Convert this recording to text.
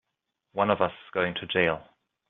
One of us is going to jail!